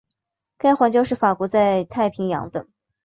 该环礁是法国在太平洋的。